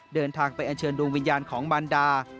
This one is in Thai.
เดินทางไปอัญเชิญดวงวิญญาณของมันดา